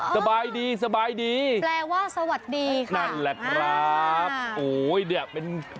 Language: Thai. สบายดีแปลว่าสวัสดีนะคะโหมันเป็น